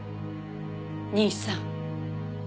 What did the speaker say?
兄さん。